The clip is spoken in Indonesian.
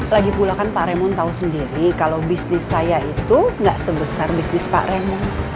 lagi pula kan pak raymond tau sendiri kalau bisnis saya itu gak sebesar bisnis pak raymond